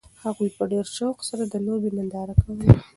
هغوی په ډېر شوق سره د لوبې ننداره کوله.